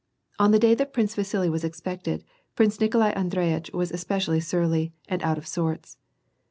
On the day that Prince Vasili was expected. Prince Nikolai Andreitch was especially surly, and out of sorts.